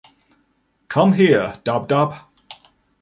Come here, Dab-Dab.